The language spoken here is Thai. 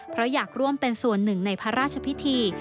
เพราะอยากร่วมเป็นส่วนหนึ่งในพระราชพิธี